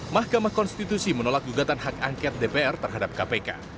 mahkamah konstitusi menolak gugatan hak angket dpr terhadap kpk